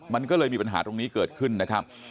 มันก็เลยมีปัญหาตรงนี้เกิดขึ้นนะครับ